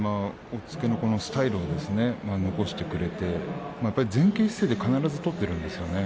押っつけのスタイルを残してくれて、やっぱり前傾姿勢で必ず取っているんですよね